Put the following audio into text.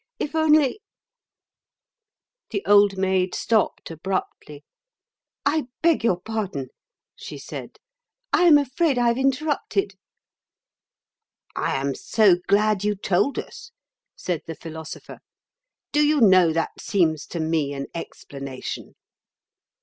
If only—" The Old Maid stopped abruptly. "I beg your pardon," she said, "I am afraid I've interrupted." "I am so glad you told us," said the Philosopher. "Do you know that seems to me an explanation?"